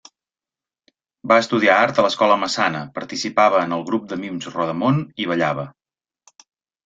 Va estudiar art a l’Escola Massana, participava en el grup de mims Rodamón i ballava.